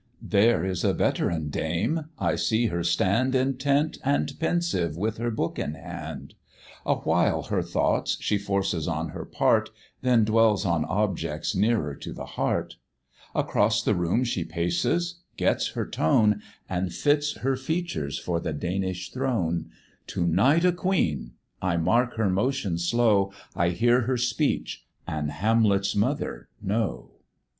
There is a veteran Dame: I see her stand Intent and pensive with her book in hand; Awhile her thoughts she forces on her part, Then dwells on objects nearer to the heart; Across the room she paces, gets her tone, And fits her features for the Danish throne; To night a queen I mark her motion slow, I hear her speech, and Hamlet's mother know.